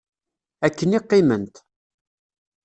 Akken i qiment.